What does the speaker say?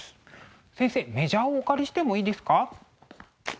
先生メジャーをお借りしてもいいですか？